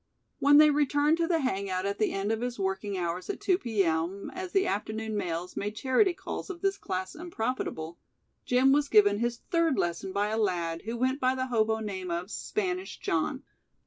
When they returned to the hangout at the end of his working hours at 2 p.m., as the afternoon mails made charity calls of this class unprofitable, Jim was given his third lesson by a lad who went by the hobo name of "Spanish John."